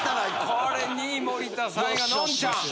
これ２位森田３位がのんちゃん。